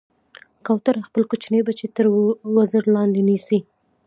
کوتره خپل کوچني بچي تر وزر لاندې نیسي.